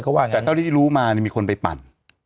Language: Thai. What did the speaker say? แต่ตอนที่รู้มามีคนไปปั่น